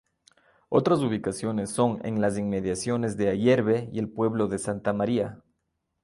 Otras ubicaciones son en las inmediaciones de Ayerbe y el pueblo de Santa María.